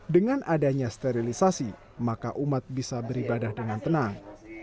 dengan adanya sterilisasi maka umat bisa beribadah dengan tenang